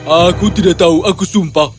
aku tidak tahu aku sumpah